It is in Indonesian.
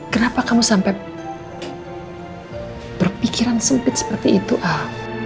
kenapa kamu sampai berpikiran sempit seperti itu ah